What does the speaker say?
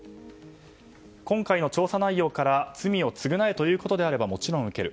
今回の調査内容から罪を償えということであればもちろん受ける。